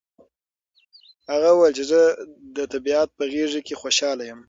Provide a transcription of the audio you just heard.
هغه وویل چې زه د طبیعت په غېږ کې خوشحاله یم.